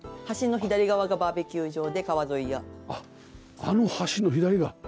橋の左側がバーベキュー場で川沿いが。